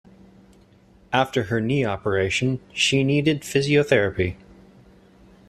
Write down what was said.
After her knee operation, she needed physiotherapy